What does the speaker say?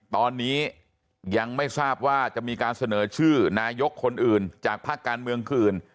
ตอนนี้ยังไม่ทราบว่าจะมีการเสนอชื่อนายกคนอื่นจากภาคการเมืองคืน